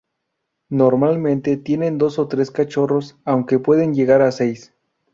Normalmente tienen dos o tres cachorros, aunque pueden llegar a seis.